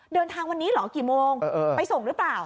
เดินทางวันนี้เหรอกี่โมงไปส่งหรือเปล่า